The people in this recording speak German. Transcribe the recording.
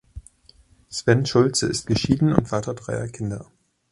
Sven Schulze ist geschieden und Vater dreier Kinder.